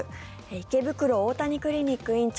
池袋大谷クリニック院長